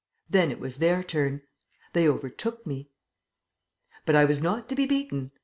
Then it was their turn. They overtook me.... But I was not to be beaten.